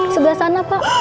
sebelah sana pak